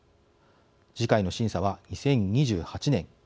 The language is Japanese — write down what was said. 次回の審査は２０２８年。